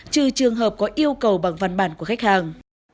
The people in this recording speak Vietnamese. trừ trường hợp có yêu cầu bằng văn bản của khách hàng